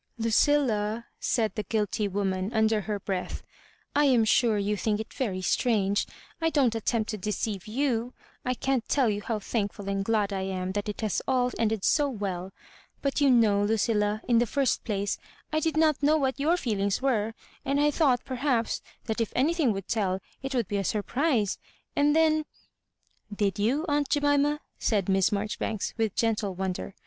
" Ludlla," said the guilty woman, under her breath, "I am sure you think it very strange. I don't attempt to deceive you. I can't tell you how thankful and glad I am that it has all ended so well ; but you know, Ludlla, in the first place, I did not know what your feelings were ; and I thought, perhaps, that if anything wx)uld tell, it would be a surprise, and then ^"" Did you, aunt Jemima ?" said Miss Maijori banks, with gentle wonder.